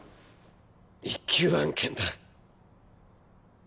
１級案件だ。